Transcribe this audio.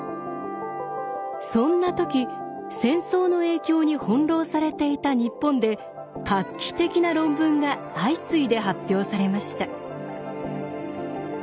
そんなとき戦争の影響に翻弄されていた日本で画期的な論文が相次いで発表されました。